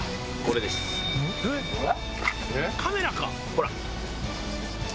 ほら。